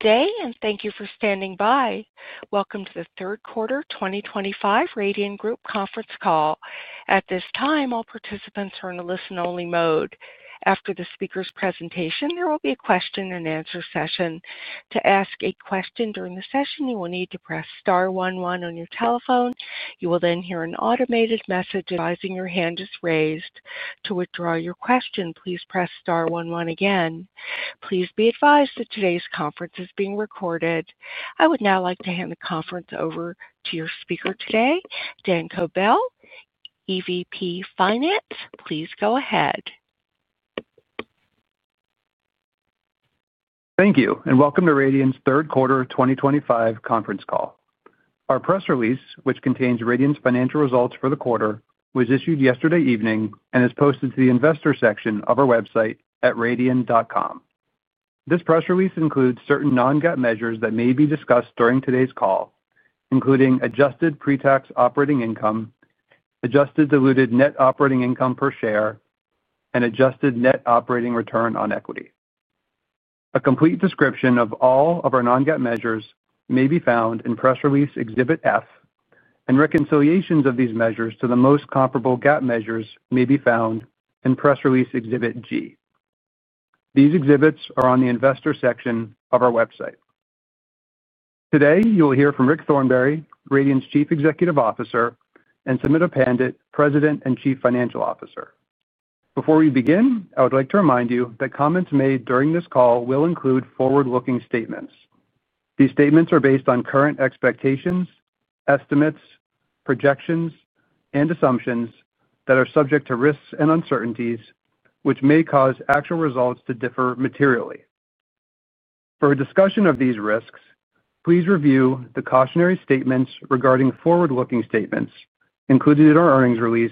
Today, and thank you for standing by. Welcome to the third quarter 2025 Radian Group conference call. At this time, all participants are in a listen-only mode. After the speaker's presentation, there will be a question-and-answer session. To ask a question during the session, you will need to press star one, one on your telephone. You will then hear an automated message advising your hand is raised. To withdraw your question, please press star one, one again. Please be advised that today's conference is being recorded. I would now like to hand the conference over to your speaker today, Dan Kobell, EVP Finance. Please go ahead. Thank you, and welcome to Radian's third quarter 2025 conference call. Our press release, which contains Radian's financial results for the quarter, was issued yesterday evening and is posted to the investor section of our website at radian.com. This press release includes certain non-GAAP measures that may be discussed during today's call, including adjusted pre-tax operating income, adjusted diluted net operating income per share, and adjusted net operating return on equity. A complete description of all of our non-GAAP measures may be found in Press Release Exhibit F, and reconciliations of these measures to the most comparable GAAP measures may be found in Press Release Exhibit G. These exhibits are on the investor section of our website. Today, you will hear from Rick Thornberry, Radian's Chief Executive Officer, and Sumita Pandit, President and Chief Financial Officer. Before we begin, I would like to remind you that comments made during this call will include forward-looking statements. These statements are based on current expectations, estimates, projections, and assumptions that are subject to risks and uncertainties, which may cause actual results to differ materially. For a discussion of these risks, please review the cautionary statements regarding forward-looking statements included in our earnings release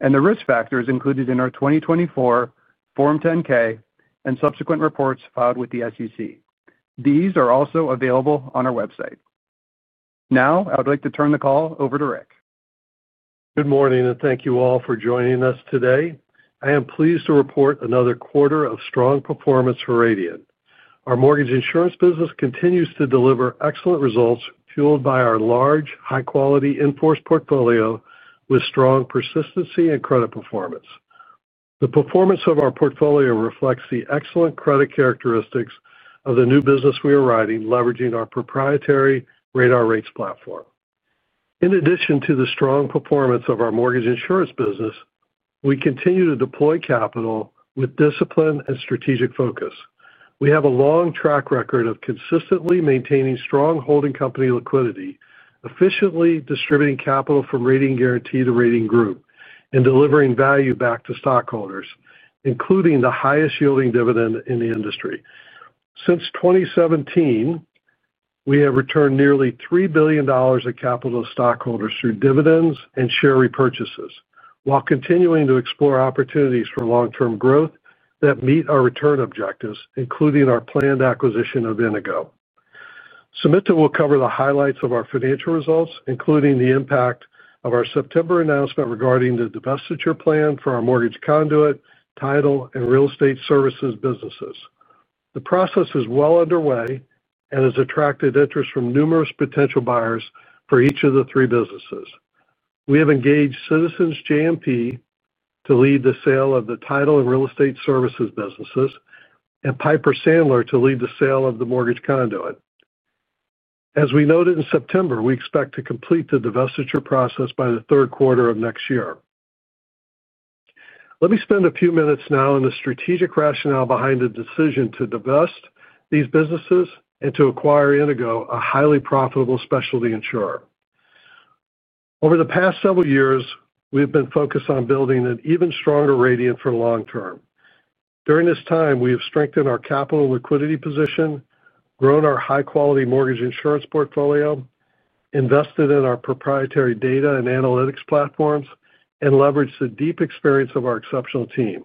and the risk factors included in our 2024 Form 10-K and subsequent reports filed with the SEC. These are also available on our website. Now, I would like to turn the call over to Rick. Good morning, and thank you all for joining us today. I am pleased to report another quarter of strong performance for Radian. Our mortgage insurance business continues to deliver excellent results fueled by our large, high-quality in-force portfolio with strong persistency and credit performance. The performance of our portfolio reflects the excellent credit characteristics of the new business we are writing, leveraging our proprietary RADAR Rates Platform. In addition to the strong performance of our mortgage insurance business, we continue to deploy capital with discipline and strategic focus. We have a long track record of consistently maintaining strong holding company liquidity, efficiently distributing capital from Radian Guaranty to Radian Group, and delivering value back to stockholders, including the highest yielding dividend in the industry. Since 2017. We have returned nearly $3 billion of capital to stockholders through dividends and share repurchases, while continuing to explore opportunities for long-term growth that meet our return objectives, including our planned acquisition of Inigo. Sumita will cover the highlights of our financial results, including the impact of our September announcement regarding the divestiture plan for our mortgage conduit, title, and real estate services businesses. The process is well underway and has attracted interest from numerous potential buyers for each of the three businesses. We have engaged Citizens JMP to lead the sale of the title and real estate services businesses, and Piper Sandler to lead the sale of the mortgage conduit. As we noted in September, we expect to complete the divestiture process by the third quarter of next year. Let me spend a few minutes now on the strategic rationale behind the decision to divest these businesses and to acquire Inigo, a highly profitable specialty insurer. Over the past several years, we have been focused on building an even stronger Radian for the long term. During this time, we have strengthened our capital and liquidity position, grown our high-quality mortgage insurance portfolio, invested in our proprietary data and analytics platforms, and leveraged the deep experience of our exceptional team.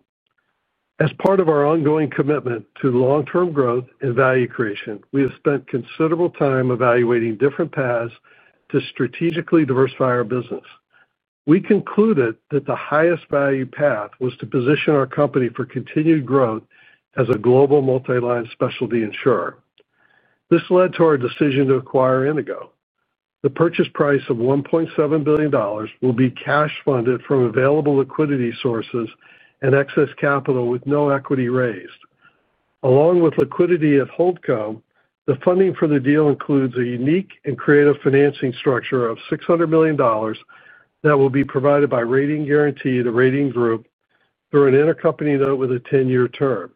As part of our ongoing commitment to long-term growth and value creation, we have spent considerable time evaluating different paths to strategically diversify our business. We concluded that the highest value path was to position our company for continued growth as a global multi-line specialty insurer. This led to our decision to acquire Inigo. The purchase price of $1.7 billion will be cash funded from available liquidity sources and excess capital with no equity raised. Along with liquidity at holdco, the funding for the deal includes a unique and creative financing structure of $600 million. That will be provided by Radian Guaranty to Radian Group through an intercompany note with a 10-year term.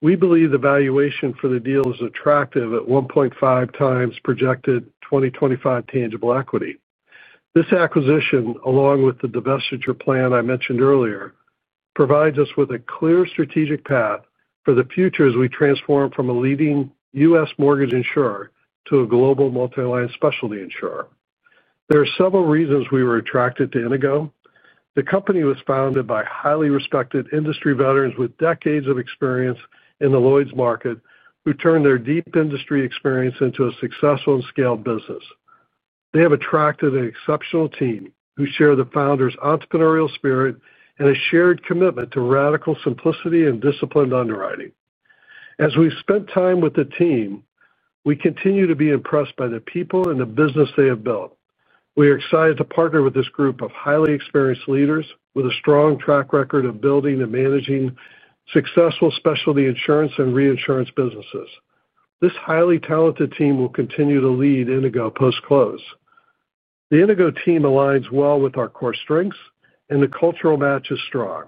We believe the valuation for the deal is attractive at 1.5x projected 2025 tangible equity. This acquisition, along with the divestiture plan I mentioned earlier, provides us with a clear strategic path for the future as we transform from a leading U.S. mortgage insurer to a global multi-line specialty insurer. There are several reasons we were attracted to Inigo. The company was founded by highly respected industry veterans with decades of experience in the Lloyd's market, who turned their deep industry experience into a successful and scaled business. They have attracted an exceptional team who share the founders' entrepreneurial spirit and a shared commitment to radical simplicity and disciplined underwriting. As we've spent time with the team, we continue to be impressed by the people and the business they have built. We are excited to partner with this group of highly experienced leaders with a strong track record of building and managing successful specialty insurance and reinsurance businesses. This highly talented team will continue to lead Inigo post-close. The Inigo team aligns well with our core strengths, and the cultural match is strong.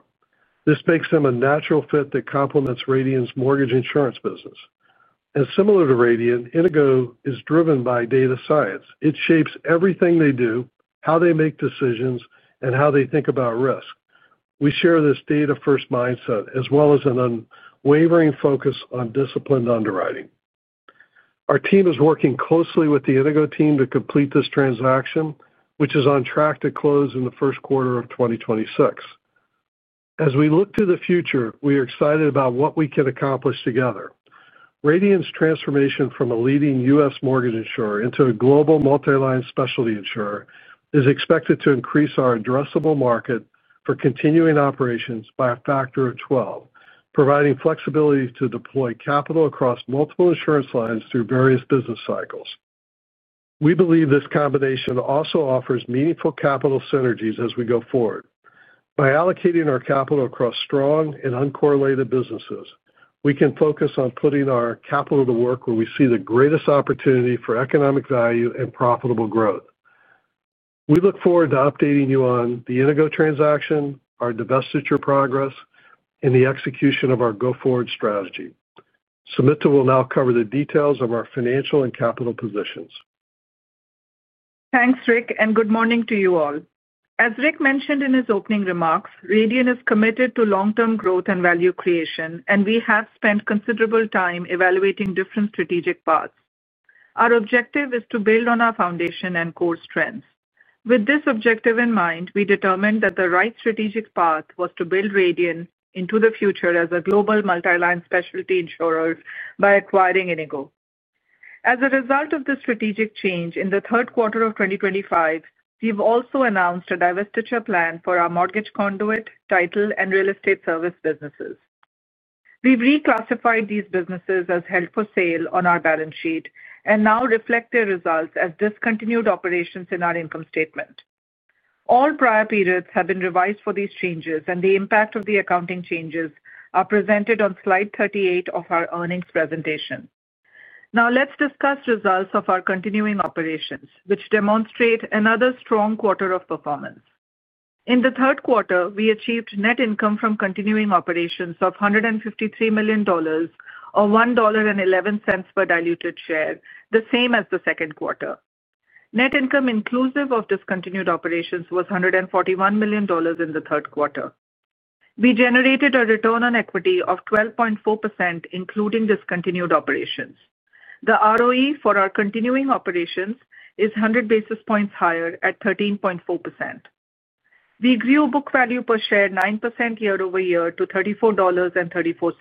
This makes them a natural fit that complements Radian's mortgage insurance business. Similar to Radian, Inigo is driven by data science. It shapes everything they do, how they make decisions, and how they think about risk. We share this data-first mindset as well as an unwavering focus on disciplined underwriting. Our team is working closely with the Inigo team to complete this transaction, which is on track to close in the first quarter of 2026. As we look to the future, we are excited about what we can accomplish together. Radian's transformation from a leading U.S. mortgage insurer into a global multi-line specialty insurer is expected to increase our addressable market for continuing operations by a factor of 12, providing flexibility to deploy capital across multiple insurance lines through various business cycles. We believe this combination also offers meaningful capital synergies as we go forward. By allocating our capital across strong and uncorrelated businesses, we can focus on putting our capital to work where we see the greatest opportunity for economic value and profitable growth. We look forward to updating you on the Inigo transaction, our divestiture progress, and the execution of our go-forward strategy. Sumita will now cover the details of our financial and capital positions. Thanks, Rick, and good morning to you all. As Rick mentioned in his opening remarks, Radian is committed to long-term growth and value creation, and we have spent considerable time evaluating different strategic paths. Our objective is to build on our foundation and core strengths. With this objective in mind, we determined that the right strategic path was to build Radian into the future as a global multi-line specialty insurer by acquiring Inigo. As a result of the strategic change in the third quarter of 2025, we've also announced a divestiture plan for our mortgage conduit, title, and real estate service businesses. We've reclassified these businesses as held for sale on our balance sheet and now reflect their results as discontinued operations in our income statement. All prior periods have been revised for these changes, and the impact of the accounting changes are presented on slide 38 of our earnings presentation. Now, let's discuss results of our continuing operations, which demonstrate another strong quarter of performance. In the third quarter, we achieved net income from continuing operations of $153 million, or $1.11 per diluted share, the same as the second quarter. Net income inclusive of discontinued operations was $141 million in the third quarter. We generated a return on equity of 12.4%, including discontinued operations. The ROE for our continuing operations is 100 basis points higher at 13.4%. We grew book value per share 9% year over year to $34.34.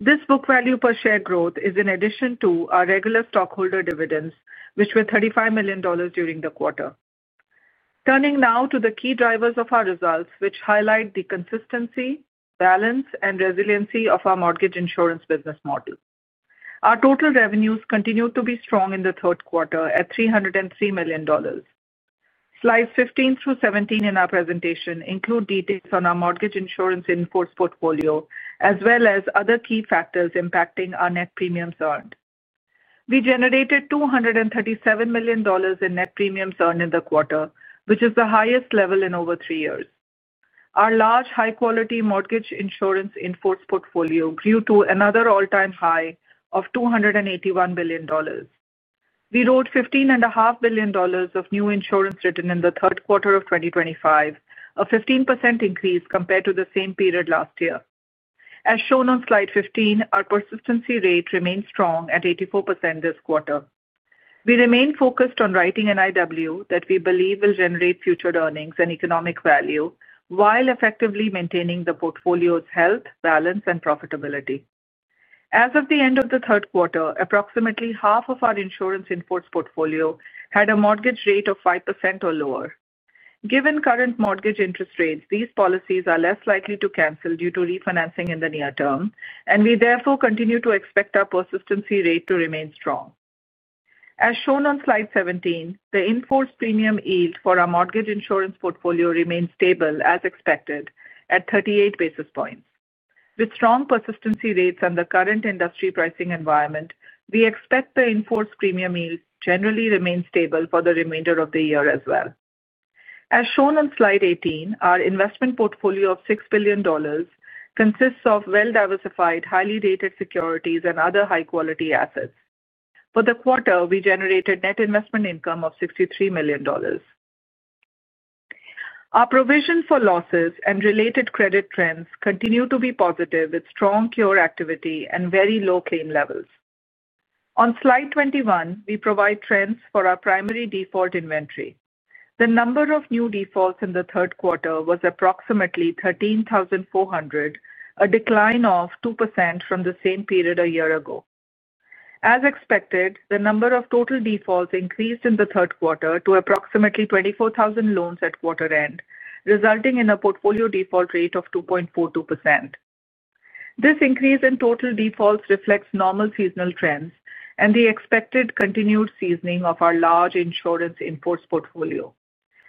This book value per share growth is in addition to our regular stockholder dividends, which were $35 million during the quarter. Turning now to the key drivers of our results, which highlight the consistency, balance, and resiliency of our mortgage insurance business model. Our total revenues continued to be strong in the third quarter at $303 million. Slides 15 through 17 in our presentation include details on our mortgage insurance in-force portfolio, as well as other key factors impacting our net premiums earned. We generated $237 million in net premiums earned in the quarter, which is the highest level in over three years. Our large, high-quality mortgage insurance in-force portfolio grew to another all-time high of $281 billion. We wrote $15.5 billion of new insurance written in the third quarter of 2025, a 15% increase compared to the same period last year. As shown on slide 15, our persistency rate remained strong at 84% this quarter. We remained focused on writing an IW that we believe will generate future earnings and economic value while effectively maintaining the portfolio's health, balance, and profitability. As of the end of the third quarter, approximately half of our insurance in-force portfolio had a mortgage rate of 5% or lower. Given current mortgage interest rates, these policies are less likely to cancel due to refinancing in the near term, and we therefore continue to expect our persistency rate to remain strong. As shown on slide 17, the in-force premium yield for our mortgage insurance portfolio remained stable, as expected, at 38 basis points. With strong persistency rates and the current industry pricing environment, we expect the in-force premium yield generally to remain stable for the remainder of the year as well. As shown on slide 18, our investment portfolio of $6 billion. Consists of well-diversified, highly dated securities and other high-quality assets. For the quarter, we generated net investment income of $63 million. Our provision for losses and related credit trends continue to be positive with strong cure activity and very low claim levels. On slide 21, we provide trends for our primary default inventory. The number of new defaults in the third quarter was approximately 13,400, a decline of 2% from the same period a year ago. As expected, the number of total defaults increased in the third quarter to approximately 24,000 loans at quarter end, resulting in a portfolio default rate of 2.42%. This increase in total defaults reflects normal seasonal trends and the expected continued seasoning of our large insurance in-force portfolio.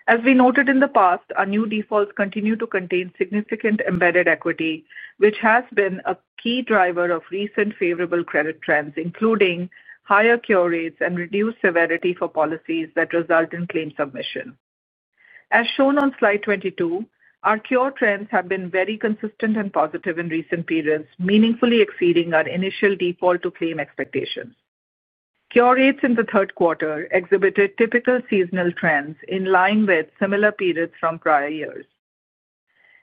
As we noted in the past, our new defaults continue to contain significant embedded equity, which has been a key driver of recent favorable credit trends, including higher cure rates and reduced severity for policies that result in claim submission. As shown on slide 22, our cure trends have been very consistent and positive in recent periods, meaningfully exceeding our initial default-to-claim expectations. Cure rates in the third quarter exhibited typical seasonal trends in line with similar periods from prior years.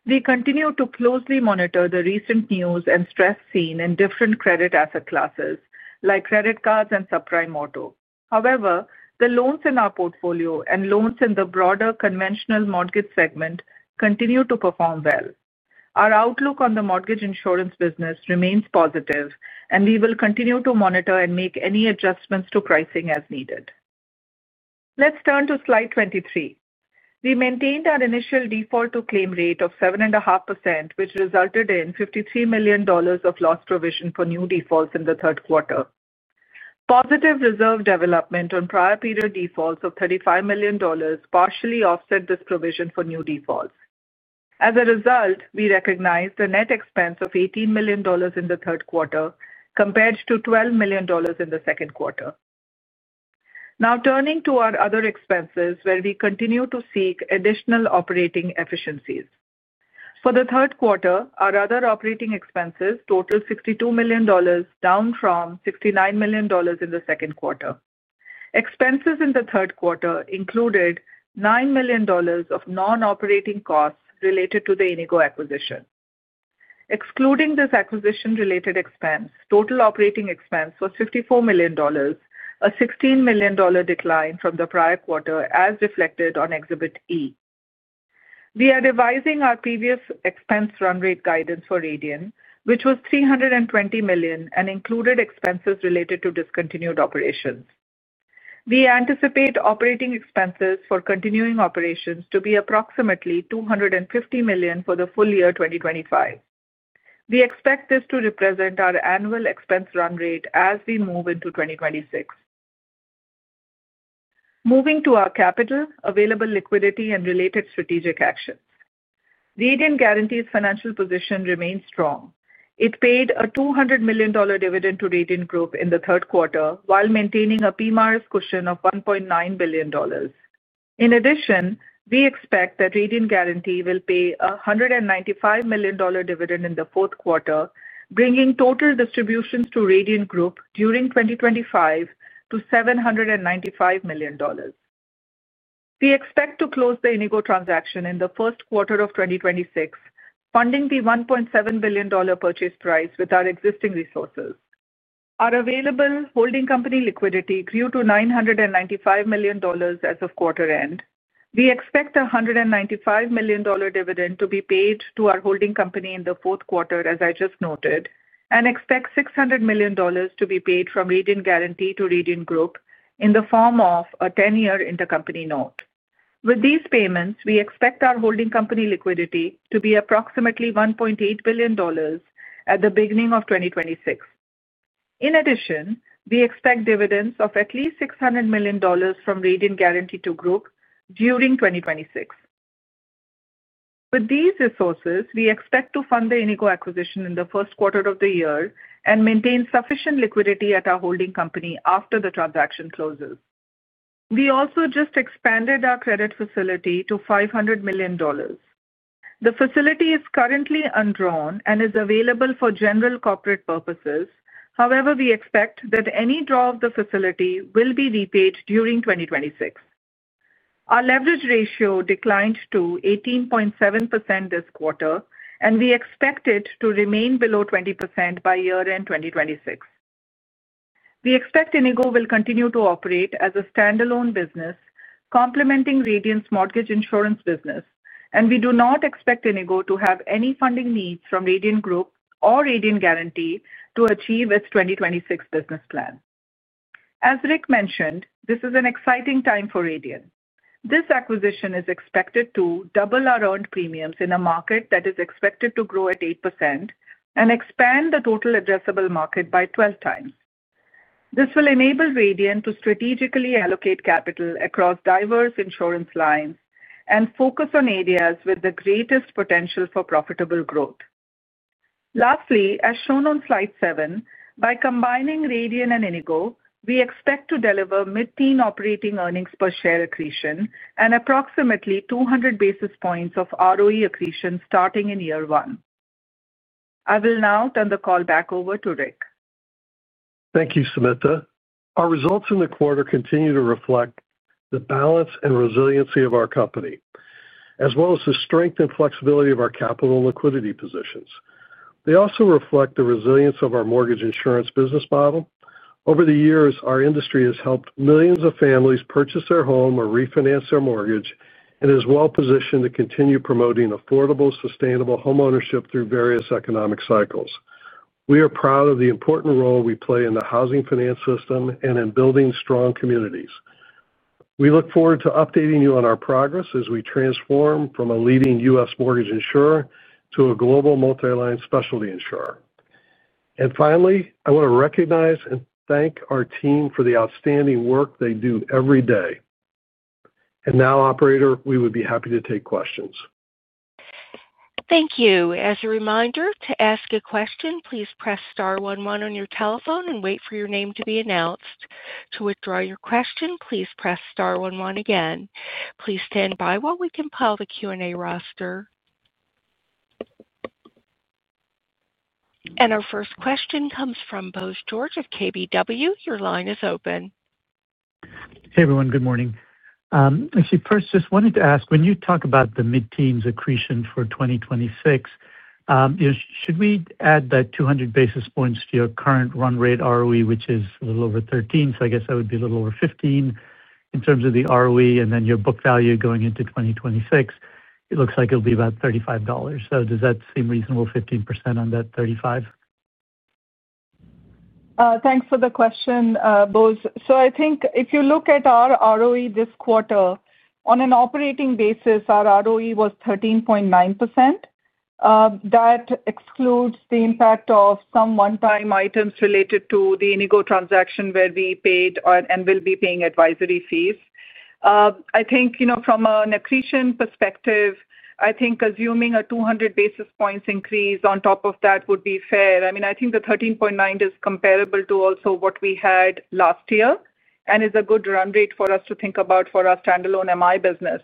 We continue to closely monitor the recent news and stress seen in different credit asset classes, like credit cards and subprime auto. However, the loans in our portfolio and loans in the broader conventional mortgage segment continue to perform well. Our outlook on the mortgage insurance business remains positive, and we will continue to monitor and make any adjustments to pricing as needed. Let's turn to slide 23. We maintained our initial default-to-claim rate of 7.5%, which resulted in $53 million of loss provision for new defaults in the third quarter. Positive reserve development on prior period defaults of $35 million partially offset this provision for new defaults. As a result, we recognize the net expense of $18 million in the third quarter compared to $12 million in the second quarter. Now turning to our other expenses, where we continue to seek additional operating efficiencies. For the third quarter, our other operating expenses totaled $62 million, down from $69 million in the second quarter. Expenses in the third quarter included $9 million of non-operating costs related to the Inigo acquisition. Excluding this acquisition-related expense, total operating expense was $54 million, a $16 million decline from the prior quarter, as reflected on Exhibit E. We are revising our previous expense run rate guidance for Radian, which was $320 million and included expenses related to discontinued operations. We anticipate operating expenses for continuing operations to be approximately $250 million for the full year 2025. We expect this to represent our annual expense run rate as we move into 2026. Moving to our capital, available liquidity, and related strategic actions. Radian Guaranty's financial position remains strong. It paid a $200 million dividend to Radian Group in the third quarter while maintaining a PMIERs cushion of $1.9 billion. In addition, we expect that Radian Guaranty will pay a $195 million dividend in the fourth quarter, bringing total distributions to Radian Group during 2025 to $795 million. We expect to close the Inigo transaction in the first quarter of 2026, funding the $1.7 billion purchase price with our existing resources. Our available holding company liquidity grew to $995 million as of quarter end. We expect a $195 million dividend to be paid to our holding company in the fourth quarter, as I just noted, and expect $600 million to be paid from Radian Guaranty to Radian Group in the form of a 10-year intercompany note. With these payments, we expect our holding company liquidity to be approximately $1.8 billion at the beginning of 2026. In addition, we expect dividends of at least $600 million from Radian Guaranty to Group during 2026. With these resources, we expect to fund the Inigo acquisition in the first quarter of the year and maintain sufficient liquidity at our holding company after the transaction closes. We also just expanded our credit facility to $500 million. The facility is currently undrawn and is available for general corporate purposes. However, we expect that any draw of the facility will be repaid during 2026. Our leverage ratio declined to 18.7% this quarter, and we expect it to remain below 20% by year-end 2026. We expect Inigo will continue to operate as a standalone business, complementing Radian's mortgage insurance business, and we do not expect Inigo to have any funding needs from Radian Group or Radian Guaranty to achieve its 2026 business plan. As Rick mentioned, this is an exciting time for Radian. This acquisition is expected to double our earned premiums in a market that is expected to grow at 8% and expand the total addressable market by 12 times. This will enable Radian to strategically allocate capital across diverse insurance lines and focus on areas with the greatest potential for profitable growth. Lastly, as shown on slide 7, by combining Radian and Inigo, we expect to deliver mid-teen operating earnings per share accretion and approximately 200 basis points of ROE accretion starting in year one. I will now turn the call back over to Rick. Thank you, Sumita. Our results in the quarter continue to reflect the balance and resiliency of our company, as well as the strength and flexibility of our capital and liquidity positions. They also reflect the resilience of our mortgage insurance business model. Over the years, our industry has helped millions of families purchase their home or refinance their mortgage and is well-positioned to continue promoting affordable, sustainable homeownership through various economic cycles. We are proud of the important role we play in the housing finance system and in building strong communities. We look forward to updating you on our progress as we transform from a leading U.S. mortgage insurer to a global multi-line specialty insurer. Finally, I want to recognize and thank our team for the outstanding work they do every day. Now, Operator, we would be happy to take questions. Thank you. As a reminder, to ask a question, please press star 11 on your telephone and wait for your name to be announced. To withdraw your question, please press star 11 again. Please stand by while we compile the Q&A roster. Our first question comes from Bose George of KBW. Your line is open. Hey, everyone. Good morning. Actually, first, just wanted to ask, when you talk about the mid-teens accretion for 2026. Should we add the 200 basis points to your current run rate ROE, which is a little over 13? So I guess that would be a little over 15 in terms of the ROE, and then your book value going into 2026, it looks like it'll be about $35. So does that seem reasonable, 15% on that $35? Thanks for the question, Bose. I think if you look at our ROE this quarter, on an operating basis, our ROE was 13.9%. That excludes the impact of some one-time items related to the Inigo transaction where we paid and will be paying advisory fees. I think from an accretion perspective, I think assuming a 200 basis points increase on top of that would be fair. I mean, I think the 13.9% is comparable to also what we had last year and is a good run rate for us to think about for our standalone MI business.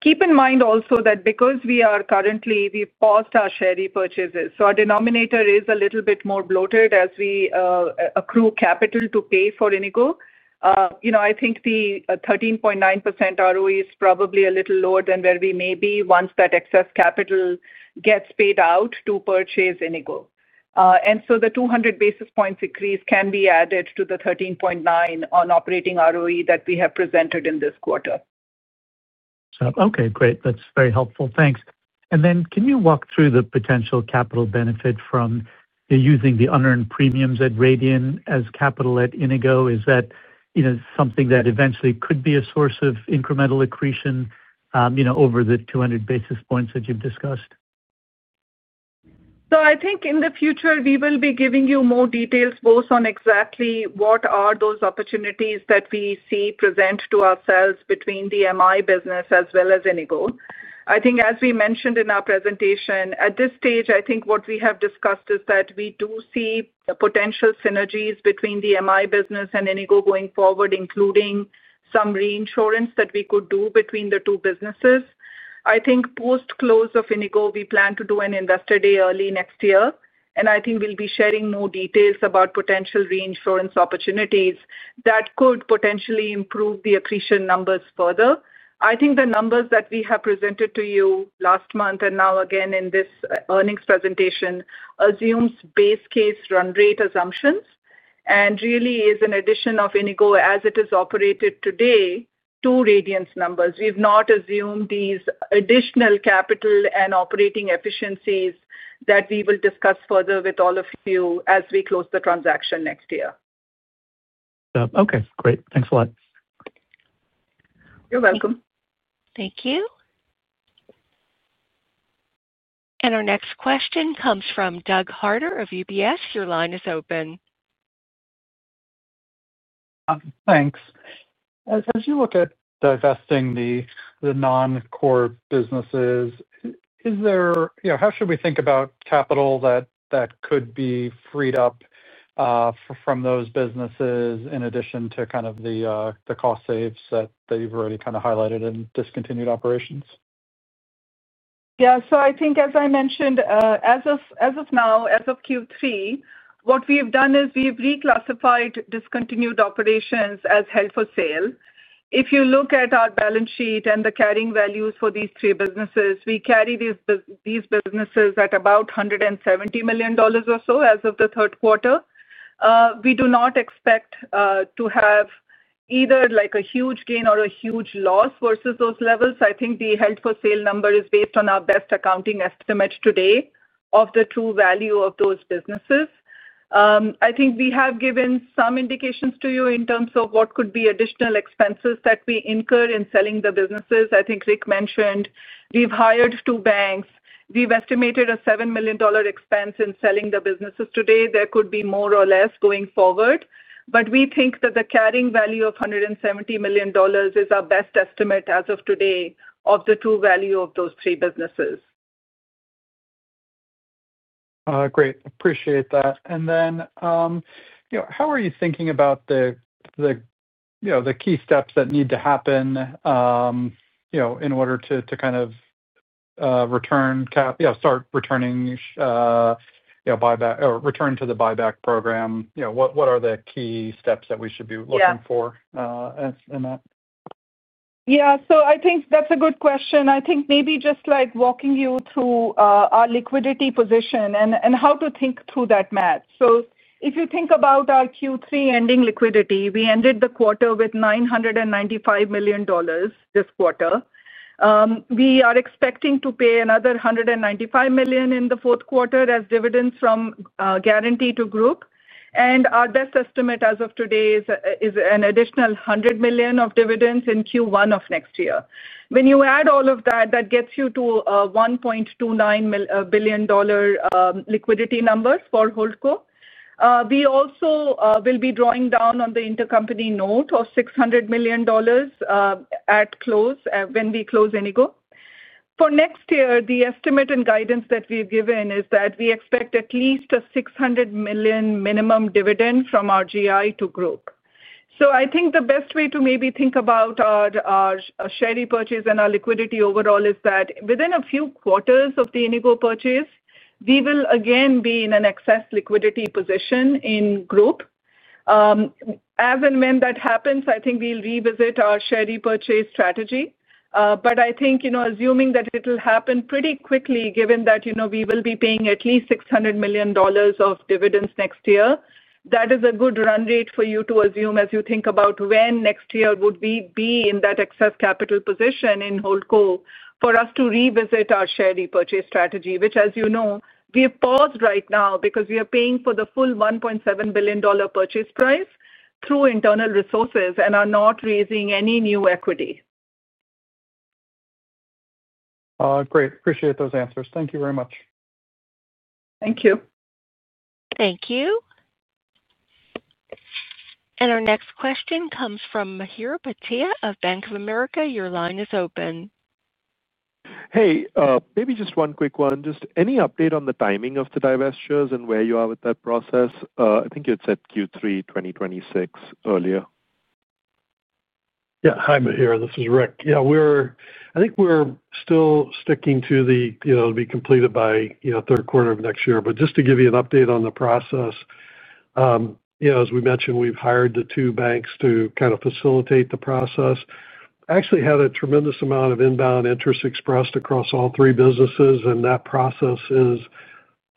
Keep in mind also that because we are currently, we've paused our share repurchases. Our denominator is a little bit more bloated as we accrue capital to pay for Inigo. I think the 13.9% ROE is probably a little lower than where we may be once that excess capital gets paid out to purchase Inigo. And so the 200 basis points increase can be added to the 13.9 on operating ROE that we have presented in this quarter. Okay, great. That's very helpful. Thanks. Can you walk through the potential capital benefit from using the unearned premiums at Radian as capital at Inigo? Is that something that eventually could be a source of incremental accretion over the 200 basis points that you've discussed? I think in the future, we will be giving you more details, Bose, on exactly what are those opportunities that we see present to ourselves between the MI business as well as Inigo. I think, as we mentioned in our presentation, at this stage, I think what we have discussed is that we do see potential synergies between the MI business and Inigo going forward, including some reinsurance that we could do between the two businesses. I think post-close of Inigo, we plan to do an investor day early next year, and I think we will be sharing more details about potential reinsurance opportunities that could potentially improve the accretion numbers further. I think the numbers that we have presented to you last month and now again in this earnings presentation assumes base case run rate assumptions and really is an addition of Inigo as it is operated today to Radian's numbers. We've not assumed these additional capital and operating efficiencies that we will discuss further with all of you as we close the transaction next year. Okay, great. Thanks a lot. You're welcome. Thank you. Our next question comes from Doug Harter of UBS. Your line is open. Thanks. As you look at divesting the non-core businesses, how should we think about capital that could be freed up from those businesses in addition to kind of the cost saves that you've already kind of highlighted in discontinued operations? Yeah. So I think, as I mentioned, as of now, as of Q3, what we've done is we've reclassified discontinued operations as held for sale. If you look at our balance sheet and the carrying values for these three businesses, we carry these businesses at about $170 million or so as of the third quarter. We do not expect to have either a huge gain or a huge loss versus those levels. I think the held for sale number is based on our best accounting estimate today of the true value of those businesses. I think we have given some indications to you in terms of what could be additional expenses that we incur in selling the businesses. I think Rick mentioned we've hired two banks. We've estimated a $7 million expense in selling the businesses today. There could be more or less going forward. We think that the carrying value of $170 million is our best estimate as of today of the true value of those three businesses. Great. Appreciate that. How are you thinking about the key steps that need to happen in order to kind of return, start returning buyback, or return to the buyback program? What are the key steps that we should be looking for? Yeah. In that? Yeah. I think that's a good question. I think maybe just walking you through our liquidity position and how to think through that match. If you think about our Q3 ending liquidity, we ended the quarter with $995 million this quarter. We are expecting to pay another $195 million in the fourth quarter as dividends from Guarantee to Group. Our best estimate as of today is an additional $100 million of dividends in Q1 of next year. When you add all of that, that gets you to a $1.29 billion liquidity number for holdco. We also will be drawing down on the intercompany note of $600 million at close when we close Inigo. For next year, the estimate and guidance that we've given is that we expect at least a $600 million minimum dividend from our GI to Group. I think the best way to maybe think about our share repurchase and our liquidity overall is that within a few quarters of the Inigo purchase, we will again be in an excess liquidity position in Group. As and when that happens, I think we'll revisit our share repurchase strategy. I think assuming that it'll happen pretty quickly, given that we will be paying at least $600 million of dividends next year, that is a good run rate for you to assume as you think about when next year would we be in that excess capital position in holdco for us to revisit our share repurchase strategy, which, as you know, we have paused right now because we are paying for the full $1.7 billion purchase price through internal resources and are not raising any new equity. Great. Appreciate those answers. Thank you very much. Thank you. Thank you. Our next question comes from Mihir Bhatia of Bank of America. Your line is open. Hey, maybe just one quick one. Just any update on the timing of the divestitures and where you are with that process? I think you had said Q3 2026 earlier. Yeah. Hi, Mahir. This is Rick. Yeah. I think we're still sticking to the be completed by third quarter of next year. Just to give you an update on the process, as we mentioned, we've hired the two banks to kind of facilitate the process. Actually had a tremendous amount of inbound interest expressed across all three businesses, and that process is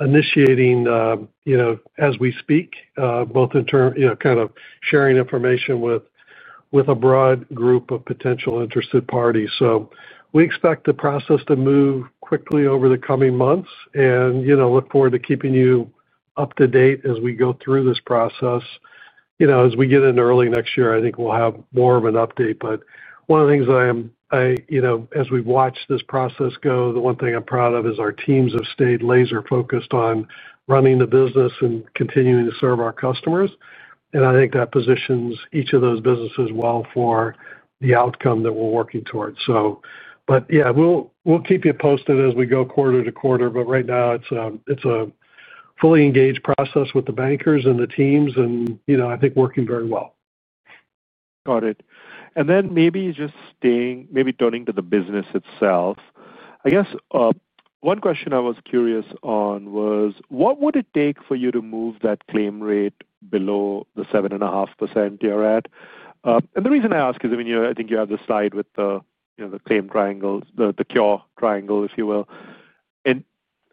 initiating as we speak, both in terms of kind of sharing information with a broad group of potential interested parties. We expect the process to move quickly over the coming months and look forward to keeping you up to date as we go through this process. As we get into early next year, I think we'll have more of an update. One of the things that I. As we've watched this process go, the one thing I'm proud of is our teams have stayed laser-focused on running the business and continuing to serve our customers. I think that positions each of those businesses well for the outcome that we're working towards. We'll keep you posted as we go quarter to quarter. Right now, it's a fully engaged process with the bankers and the teams, and I think working very well. Got it. Maybe just staying, maybe turning to the business itself. I guess one question I was curious on was, what would it take for you to move that claim rate below the 7.5% you are at? The reason I ask is, I mean, I think you have the slide with the claim triangle, the cure triangle, if you will.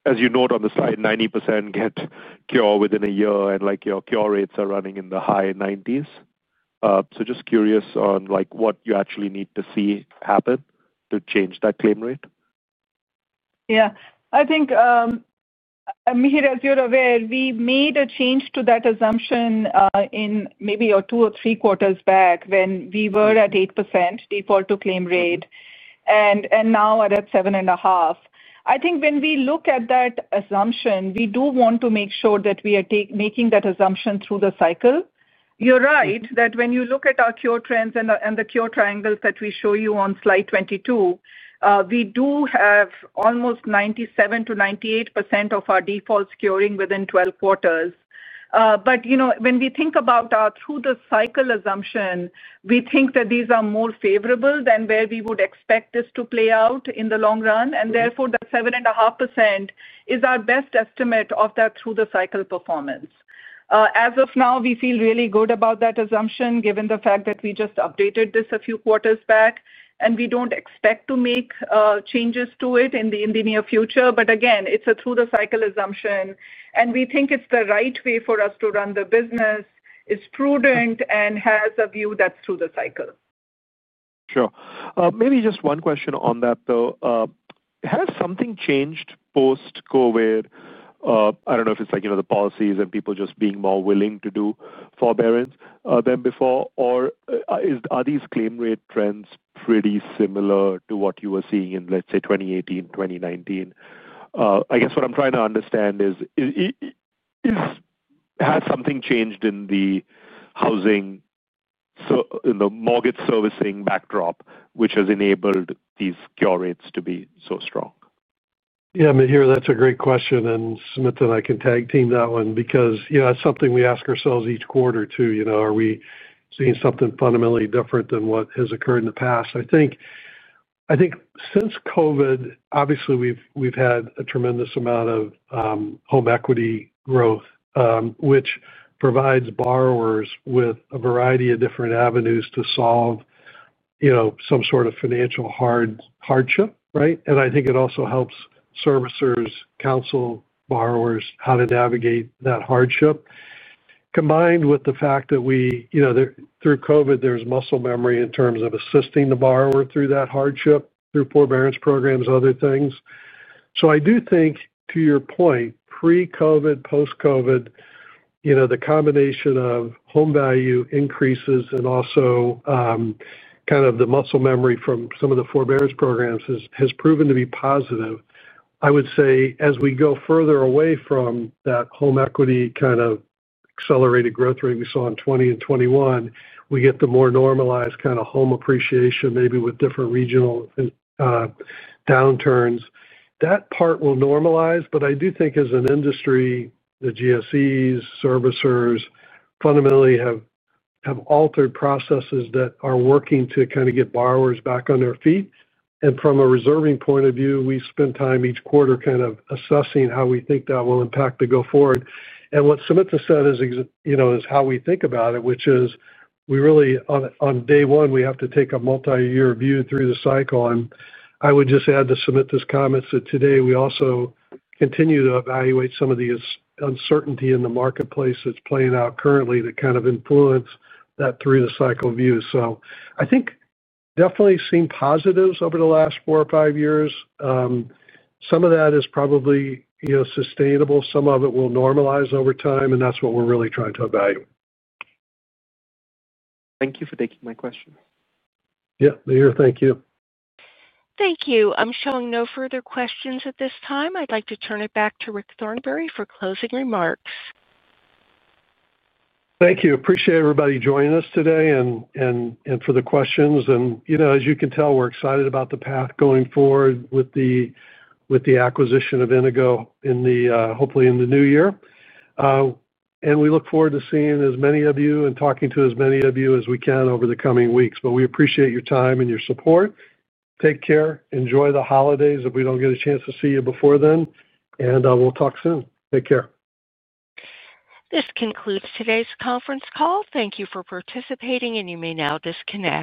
As you note on the slide, 90% get cure within a year, and your cure rates are running in the high 90s. Just curious on what you actually need to see happen to change that claim rate. Yeah. I think. Mahir, as you're aware, we made a change to that assumption in maybe two or three quarters back when we were at 8% default-to-claim rate, and now we're at 7.5%. I think when we look at that assumption, we do want to make sure that we are making that assumption through the cycle. You're right that when you look at our cure trends and the cure triangles that we show you on slide 22, we do have almost 97%-98% of our defaults curing within 12 quarters. When we think about our through-the-cycle assumption, we think that these are more favorable than where we would expect this to play out in the long run. Therefore, the 7.5% is our best estimate of that through-the-cycle performance. As of now, we feel really good about that assumption given the fact that we just updated this a few quarters back, and we don't expect to make changes to it in the near future. Again, it's a through-the-cycle assumption, and we think it's the right way for us to run the business, is prudent, and has a view that's through the cycle. Sure. Maybe just one question on that, though. Has something changed post-COVID? I don't know if it's the policies and people just being more willing to do forbearance than before, or are these claim rate trends pretty similar to what you were seeing in, let's say, 2018, 2019? I guess what I'm trying to understand is, has something changed in the housing, in the mortgage servicing backdrop, which has enabled these cure rates to be so strong? Yeah, Mahir, that's a great question. Sumita, I can tag team that one because it's something we ask ourselves each quarter too. Are we seeing something fundamentally different than what has occurred in the past? I think since COVID, obviously, we've had a tremendous amount of home equity growth, which provides borrowers with a variety of different avenues to solve some sort of financial hardship, right? I think it also helps servicers counsel borrowers how to navigate that hardship. Combined with the fact that through COVID, there's muscle memory in terms of assisting the borrower through that hardship, through forbearance programs, other things. I do think, to your point, pre-COVID, post-COVID, the combination of home value increases and also kind of the muscle memory from some of the forbearance programs has proven to be positive. I would say, as we go further away from that home equity kind of accelerated growth rate we saw in 2020 and 2021, we get the more normalized kind of home appreciation, maybe with different regional downturns. That part will normalize. I do think, as an industry, the GSEs, servicers fundamentally have altered processes that are working to kind of get borrowers back on their feet. From a reserving point of view, we spend time each quarter kind of assessing how we think that will impact to go forward. What Sumita said is how we think about it, which is we really, on day one, we have to take a multi-year view through the cycle. I would just add to Sumita's comments that today we also continue to evaluate some of the uncertainty in the marketplace that's playing out currently to kind of influence that through-the-cycle view. I think definitely seen positives over the last four or five years. Some of that is probably sustainable. Some of it will normalize over time, and that's what we're really trying to evaluate. Thank you for taking my questions. Yeah, Mihir, thank you. Thank you. I'm showing no further questions at this time. I'd like to turn it back to Rick Thornberry for closing remarks. Thank you. Appreciate everybody joining us today and for the questions. As you can tell, we're excited about the path going forward with the acquisition of Inigo hopefully in the new year. We look forward to seeing as many of you and talking to as many of you as we can over the coming weeks. We appreciate your time and your support. Take care. Enjoy the holidays if we do not get a chance to see you before then. We will talk soon. Take care. This concludes today's conference call. Thank you for participating, and you may now disconnect.